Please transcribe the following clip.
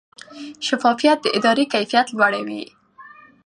شفافیت د ادارې کیفیت لوړوي.